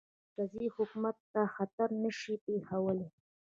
مرکزي حکومت ته خطر نه شي پېښولای.